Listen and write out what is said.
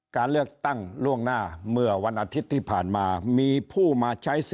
การเลือกตั้งล่วงหน้าเมื่อวันอาทิตย์ที่ผ่านมามีผู้มาใช้สิท